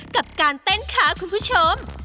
กับการเต้นค่ะคุณผู้ชม